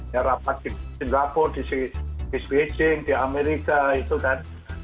ya rapat di singapura di switching di amerika itu kan